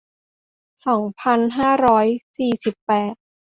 สองพันห้าร้อยสี่สิบแปด